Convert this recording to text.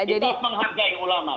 kita menghargai ulama